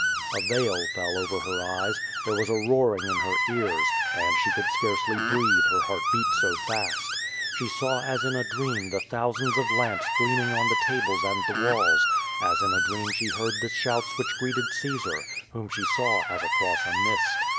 A veil fell over her eyes, there was a roaring in her ears, and she could scarcely breathe, her heart beat so fast. She saw as in a dream the thousands of lamps gleaming on the tables and the walls; as in a dream she heard the shouts which greeted Caesar, whom she saw as across a mist.